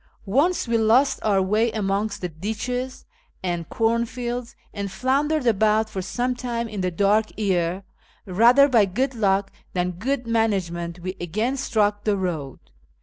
Once we lost our way amongst the ditches and cornfields, and floundered about for some time in the dark ere, rather by good luck than good management, we again struck the road.